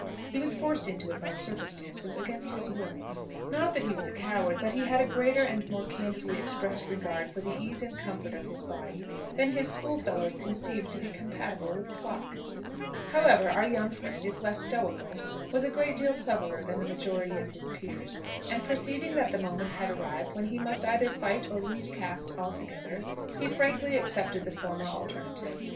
He was forced into it by circumstances, against his will. Not that he was a coward, but he had a greater, and more candidly expressed regard for the ease and comfort of his body, than his schoolfellows conceived to be compatible with pluck. However, our young friend, if less stoical, was a great deal cleverer than the majority of his peers; and perceiving that the moment had arrived when he must either fight or lose caste altogether, he frankly accepted the former alternative.